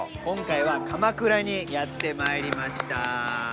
今回は鎌倉にやってまいりました。